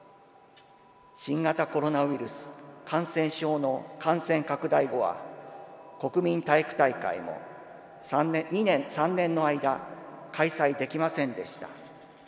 新型コロナウイルス感染症の感染拡大後は国民体育大会も３年の間開催できませんでした。